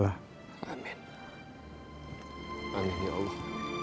amin ya allah